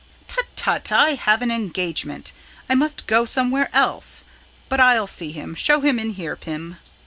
"Tut, tut! I have an engagement. I must go somewhere else. But I'll see him. Show him in here, Pim."